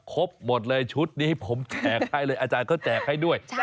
ครบหมดเลยชุดนี้ผมแจกให้เลยอาจารย์เขาแจกให้ด้วย